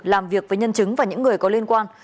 làm việc với nhân chứng và những người có liên quan